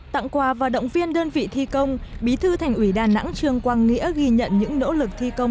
tặng quà và động viên đơn vị thi công bí thư thành ủy đà nẵng trương quang nghĩa ghi nhận những nỗ lực thi công